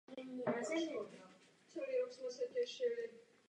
Nachází se v jižní části Sinajského poloostrova na východě země.